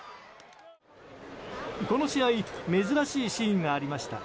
この試合珍しいシーンがありました。